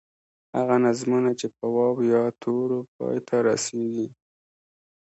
هغه نظمونه چې په واو، یا تورو پای ته رسیږي.